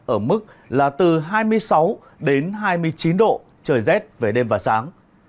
ở mức là từ hai mươi sáu hai mươi chín độ trời rét với đêm và sáng